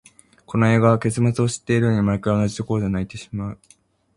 この映画、結末を知っているのに、毎回同じところで泣いてしまう。